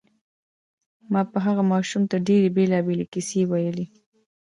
ما به هغه ماشوم ته ډېرې بېلابېلې کیسې ویلې